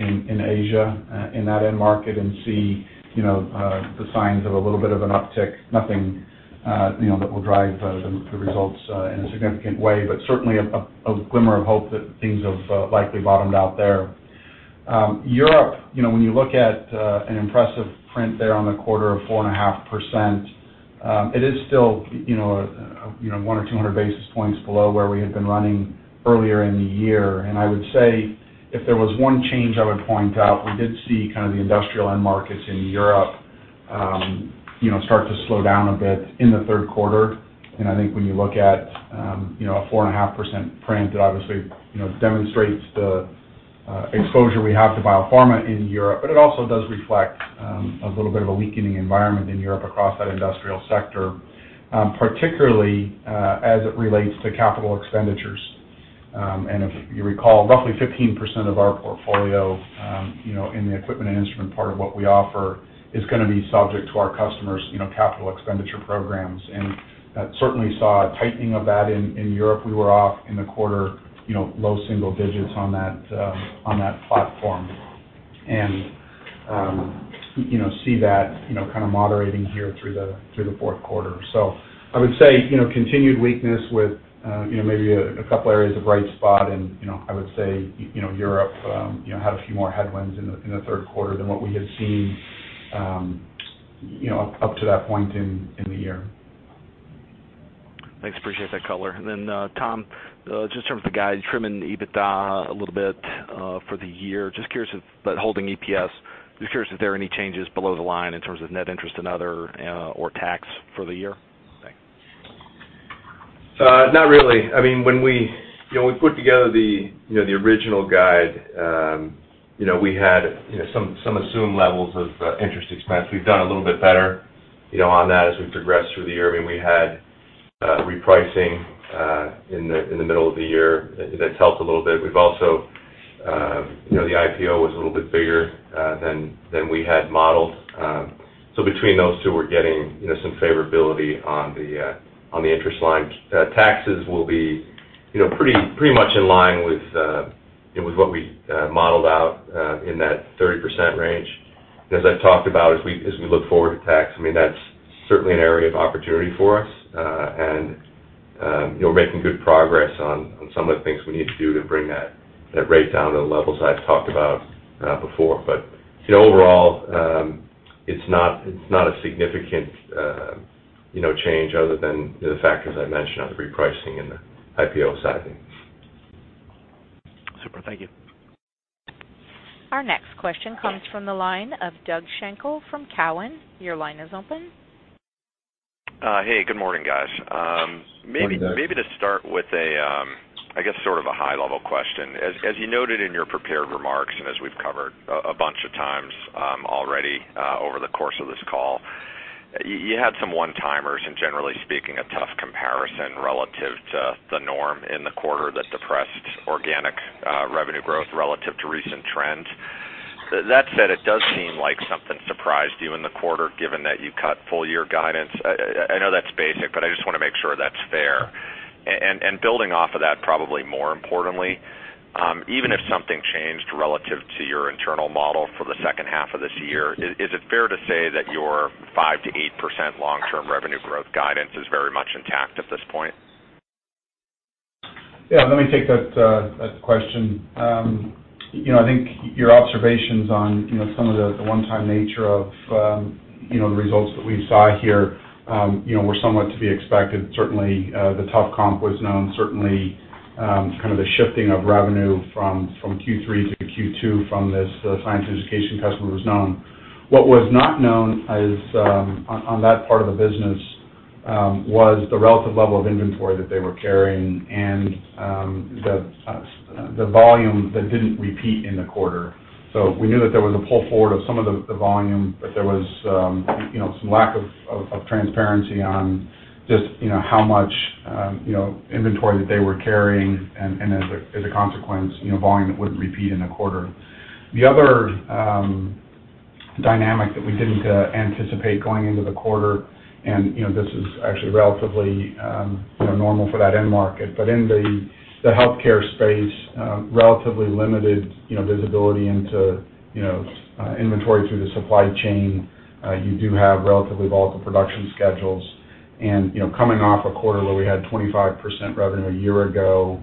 in Asia in that end market and see the signs of a little bit of an uptick. Nothing that will drive the results in a significant way, but certainly a glimmer of hope that things have likely bottomed out there. Europe, when you look at an impressive print there on the quarter of 4.5%, it is still one or 200 basis points below where we had been running earlier in the year. I would say if there was one change I would point out, we did see the industrial end markets in Europe start to slow down a bit in the third quarter. I think when you look at a 4.5% print, that obviously demonstrates the exposure we have to biopharma in Europe, but it also does reflect a little bit of a weakening environment in Europe across that industrial sector, particularly as it relates to capital expenditures. If you recall, roughly 15% of our portfolio in the equipment and instrument part of what we offer is going to be subject to our customers' capital expenditure programs. That certainly saw a tightening of that in Europe. We were off in the quarter low single digits on that platform, and see that kind of moderating here through the fourth quarter. I would say, continued weakness with maybe a couple areas of bright spot, and I would say Europe had a few more headwinds in the third quarter than what we had seen up to that point in the year. Thanks. Appreciate that color. Tom, just in terms of the guide, trimming EBITDA a little bit for the year, but holding EPS, just curious if there are any changes below the line in terms of net interest and other or tax for the year? Thanks. Not really. When we put together the original guide, we had some assumed levels of interest expense. We've done a little bit better on that as we've progressed through the year. We had repricing in the middle of the year that's helped a little bit. The IPO was a little bit bigger than we had modeled. Between those two, we're getting some favorability on the interest line. Taxes will be pretty much in line with what we modeled out in that 30% range. As I've talked about, as we look forward to tax, that's certainly an area of opportunity for us, and we're making good progress on some of the things we need to do to bring that rate down to the levels I've talked about before. Overall, it's not a significant change other than the factors I mentioned on the repricing and the IPO sizing. Super. Thank you. Our next question comes from the line of Douglas Schenkel from Cowen. Your line is open. Hey, good morning, guys. Morning, Doug. Maybe to start with a, I guess sort of a high-level question. As you noted in your prepared remarks, as we've covered a bunch of times already over the course of this call, you had some one-timers and generally speaking, a tough comparison relative to the norm in the quarter that depressed organic revenue growth relative to recent trends. That said, it does seem like something surprised you in the quarter, given that you cut full-year guidance. I know that's basic, I just want to make sure that's fair. Building off of that, probably more importantly, even if something changed relative to your internal model for the second half of this year, is it fair to say that your 5%-8% long-term revenue growth guidance is very much intact at this point? Yeah, let me take that question. I think your observations on some of the one-time nature of the results that we saw here were somewhat to be expected. Certainly, the tough comp was known. Certainly, kind of the shifting of revenue from Q3 to Q2 from this science education customer was known. What was not known on that part of the business was the relative level of inventory that they were carrying and the volume that didn't repeat in the quarter. We knew that there was a pull forward of some of the volume, but there was some lack of transparency on just how much inventory that they were carrying, and as a consequence, volume that wouldn't repeat in the quarter. The other dynamic that we didn't anticipate going into the quarter, and this is actually relatively normal for that end market, but in the healthcare space, relatively limited visibility into inventory through the supply chain. You do have relatively volatile production schedules. Coming off a quarter where we had 25% revenue a year ago,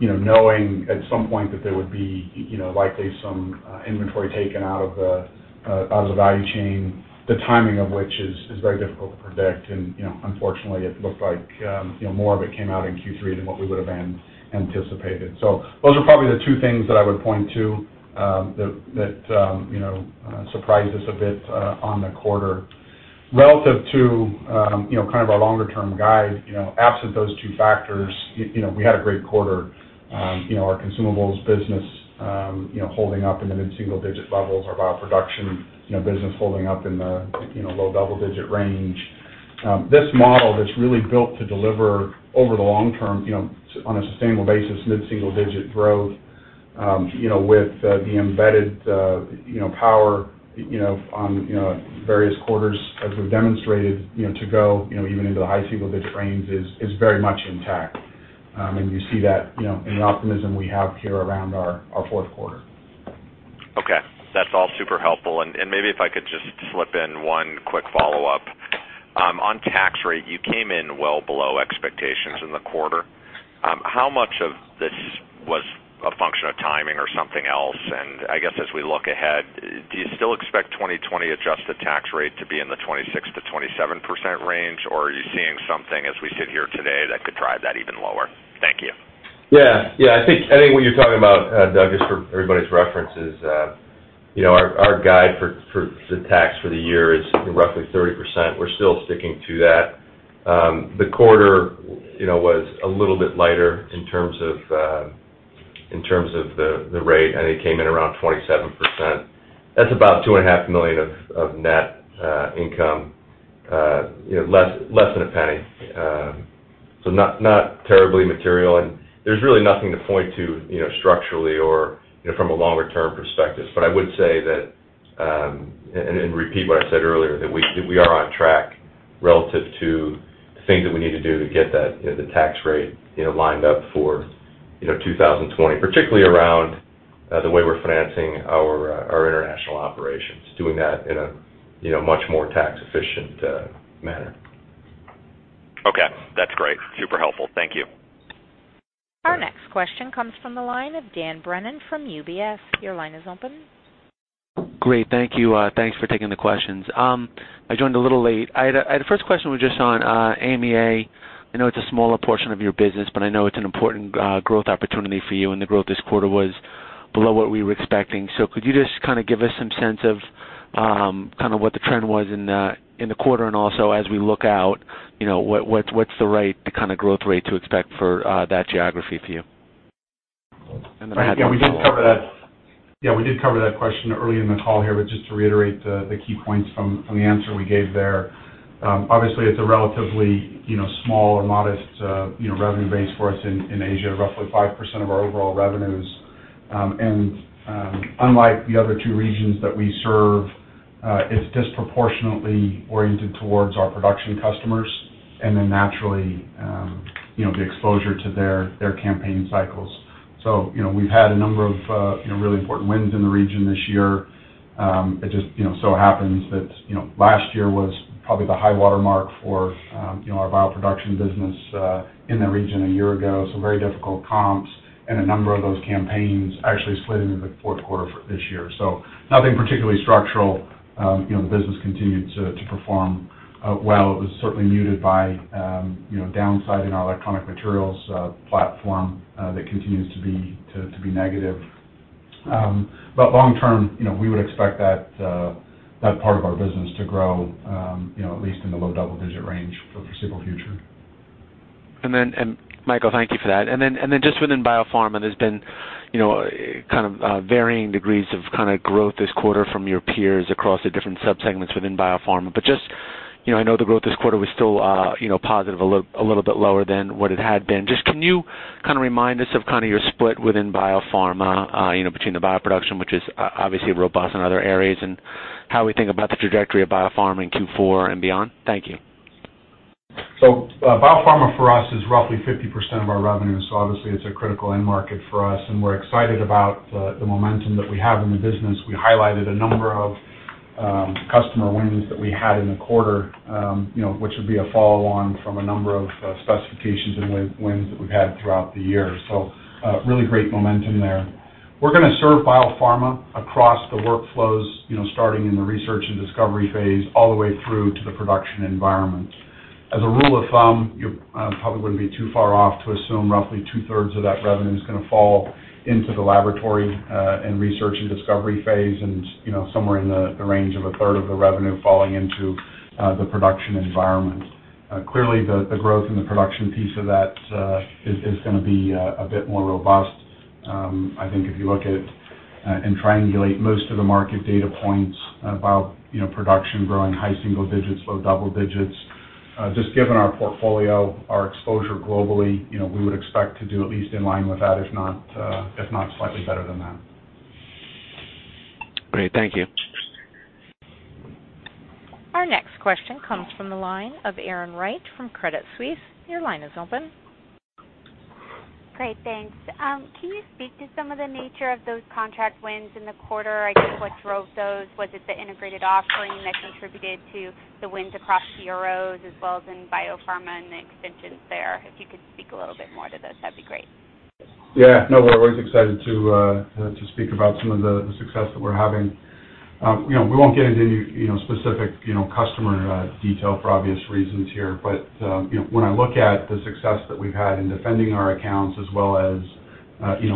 knowing at some point that there would be likely some inventory taken out of the value chain, the timing of which is very difficult to predict. Unfortunately, it looked like more of it came out in Q3 than what we would've anticipated. Those are probably the two things that I would point to that surprised us a bit on the quarter. Relative to kind of our longer-term guide, absent those two factors, we had a great quarter. Our consumables business holding up in the mid-single-digit levels, our bioproduction business holding up in the low double-digit range. This model that's really built to deliver over the long term, on a sustainable basis, mid-single-digit growth, with the embedded power on various quarters as we've demonstrated to go even into the high single-digit range is very much intact. You see that in the optimism we have here around our fourth quarter. Okay. That's all super helpful. Maybe if I could just slip in one quick follow-up. On tax rate, you came in well below expectations in the quarter. How much of this was a function of timing or something else? I guess as we look ahead, do you still expect 2020 adjusted tax rate to be in the 26%-27% range, or are you seeing something as we sit here today that could drive that even lower? Thank you. I think what you're talking about, Douglas, for everybody's reference is our guide for the tax for the year is roughly 30%. We're still sticking to that. The quarter was a little bit lighter in terms of the rate, and it came in around 27%. That's about two and a half million of net income, less than a penny. Not terribly material, and there's really nothing to point to structurally or from a longer-term perspective. I would say that, and repeat what I said earlier, that we are on track relative to the things that we need to do to get the tax rate lined up for 2020, particularly around the way we're financing our international operations, doing that in a much more tax-efficient manner. Okay. That's great. Super helpful. Thank you. Our next question comes from the line of Daniel Brennan from UBS. Your line is open. Great. Thank you. Thanks for taking the questions. I joined a little late. The first question was just on AMEA. I know it's a smaller portion of your business, but I know it's an important growth opportunity for you, and the growth this quarter was below what we were expecting. So could you just kind of give us some sense of what the trend was in the quarter, and also as we look out, what's the right kind of growth rate to expect for that geography for you? Then I have one more. Yeah, we did cover that question early in the call here, just to reiterate the key points from the answer we gave there. Obviously, it's a relatively small or modest revenue base for us in Asia, roughly 5% of our overall revenues. Unlike the other two regions that we serve, it's disproportionately oriented towards our production customers, naturally, the exposure to their campaign cycles. We've had a number of really important wins in the region this year. It just so happens that last year was probably the high water mark for our bioproduction business in that region a year ago. Very difficult comps, a number of those campaigns actually slid into the fourth quarter for this year. Nothing particularly structural. The business continued to perform well. It was certainly muted by downsizing our electronic materials platform that continues to be negative. Long term, we would expect that part of our business to grow at least in the low double-digit range for the foreseeable future. Michael, thank you for that. Just within biopharma, there's been kind of varying degrees of growth this quarter from your peers across the different subsegments within biopharma. I know the growth this quarter was still positive, a little bit lower than what it had been. Just can you kind of remind us of your split within biopharma, between the bioproduction, which is obviously robust in other areas, and how we think about the trajectory of biopharm in Q4 and beyond? Thank you. Biopharma for us is roughly 50% of our revenue, obviously it's a critical end market for us, and we're excited about the momentum that we have in the business. We highlighted a number of customer wins that we had in the quarter, which would be a follow-on from a number of specifications and wins that we've had throughout the year. Really great momentum there. We're going to serve biopharma across the workflows, starting in the research and discovery phase, all the way through to the production environment. As a rule of thumb, you probably wouldn't be too far off to assume roughly two-thirds of that revenue is going to fall into the laboratory and research and discovery phase and somewhere in the range of a third of the revenue falling into the production environment. Clearly, the growth in the production piece of that is going to be a bit more robust. I think if you look at and triangulate most of the market data points about production growing high single digits, low double digits. Just given our portfolio, our exposure globally, we would expect to do at least in line with that, if not slightly better than that. Great. Thank you. Our next question comes from the line of Erin Wright from Credit Suisse. Your line is open. Great. Thanks. Can you speak to some of the nature of those contract wins in the quarter? I guess what drove those, was it the integrated offering that contributed to the wins across CROs as well as in biopharma and the extensions there? If you could speak a little bit more to those, that'd be great. Yeah. No, we're always excited to speak about some of the success that we're having. We won't get into any specific customer detail for obvious reasons here, but when I look at the success that we've had in defending our accounts as well as.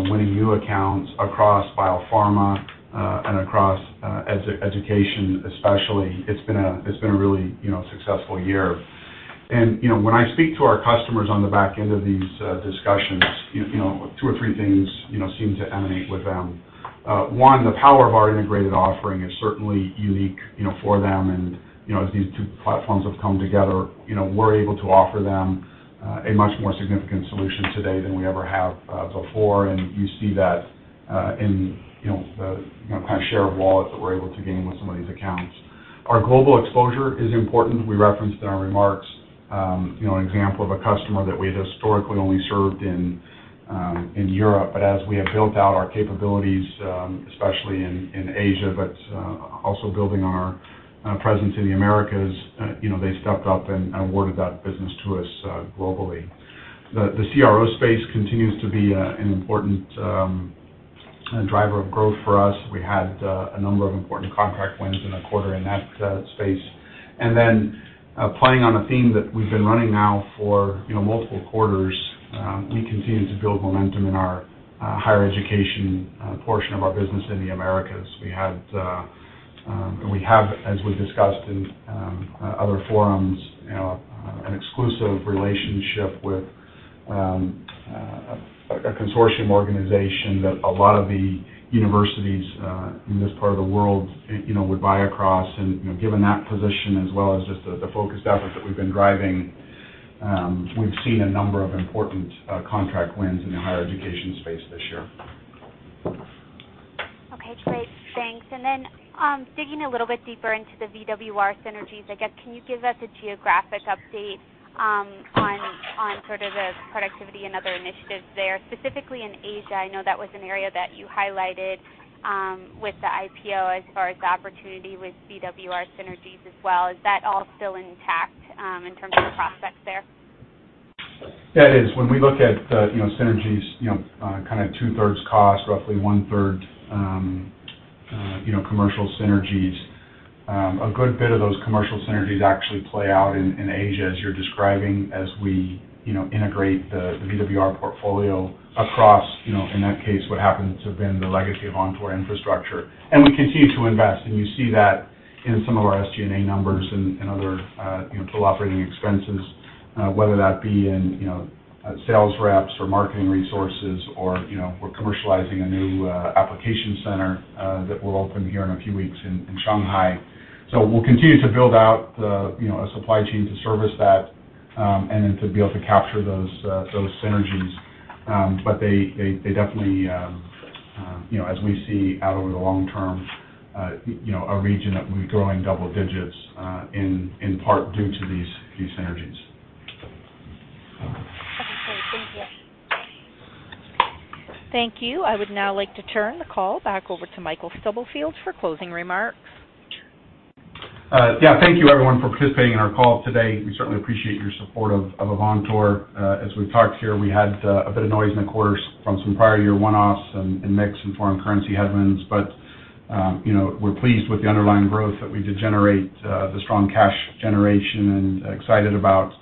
Winning new accounts across biopharma and across education, especially. It's been a really successful year. When I speak to our customers on the back end of these discussions, two or three things seem to emanate with them. One, the power of our integrated offering is certainly unique for them. As these two platforms have come together, we're able to offer them a much more significant solution today than we ever have before. You see that in the kind of share of wallet that we're able to gain with some of these accounts. Our global exposure is important. We referenced in our remarks, an example of a customer that we historically only served in Europe. As we have built out our capabilities, especially in Asia, but also building on our presence in the Americas, they stepped up and awarded that business to us globally. The CRO space continues to be an important driver of growth for us. We had a number of important contract wins in the quarter in that space. Playing on a theme that we've been running now for multiple quarters, we continue to build momentum in our higher education portion of our business in the Americas. We have, as we've discussed in other forums, an exclusive relationship with a consortium organization that a lot of the universities in this part of the world would buy across. Given that position, as well as just the focused effort that we've been driving, we've seen a number of important contract wins in the higher education space this year. Okay, great. Thanks. Digging a little bit deeper into the VWR synergies, I guess, can you give us a geographic update on sort of the productivity and other initiatives there, specifically in Asia? I know that was an area that you highlighted with the IPO as far as opportunity with VWR synergies as well. Is that all still intact in terms of the prospects there? That is. When we look at the synergies, two-thirds cost, roughly one-third commercial synergies. A good bit of those commercial synergies actually play out in Asia as you're describing, as we integrate the VWR portfolio across, in that case, what happens have been the legacy of Avantor infrastructure. We continue to invest, and you see that in some of our SG&A numbers and other total operating expenses, whether that be in sales reps or marketing resources or we're commercializing a new application center that will open here in a few weeks in Shanghai. We'll continue to build out a supply chain to service that and then to be able to capture those synergies. They definitely, as we see out over the long term, a region that will be growing double digits, in part due to these synergies. Okay, great. Thank you. Thank you. I would now like to turn the call back over to Michael Stubblefield for closing remarks. Thank you, everyone, for participating in our call today. We certainly appreciate your support of Avantor. As we've talked here, we had a bit of noise in the quarter from some prior year one-offs and mix and foreign currency headwinds. We're pleased with the underlying growth that we did generate, the strong cash generation, and excited about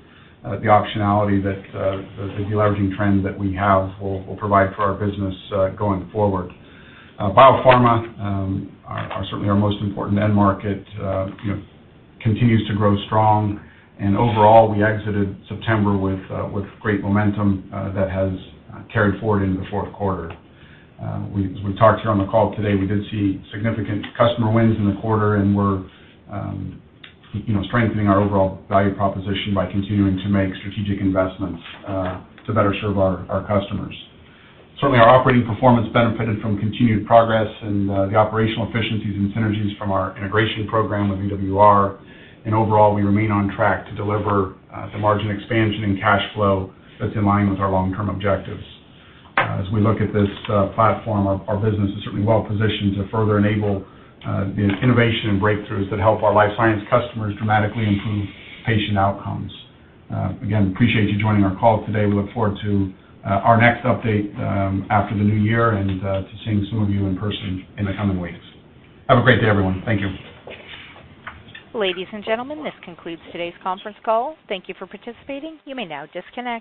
the optionality that the deleveraging trend that we have will provide for our business going forward. Biopharma are certainly our most important end market, continues to grow strong. Overall, we exited September with great momentum that has carried forward into the fourth quarter. As we talked here on the call today, we did see significant customer wins in the quarter, and we're strengthening our overall value proposition by continuing to make strategic investments to better serve our customers. Certainly, our operating performance benefited from continued progress and the operational efficiencies and synergies from our integration program with VWR. Overall, we remain on track to deliver the margin expansion and cash flow that's in line with our long-term objectives. As we look at this platform, our business is certainly well positioned to further enable the innovation and breakthroughs that help our life science customers dramatically improve patient outcomes. Appreciate you joining our call today. We look forward to our next update after the new year and to seeing some of you in person in the coming weeks. Have a great day, everyone. Thank you. Ladies and gentlemen, this concludes today's conference call. Thank you for participating. You may now disconnect.